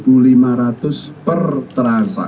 untuk menjaga keuntungan dan keuntungan indonesia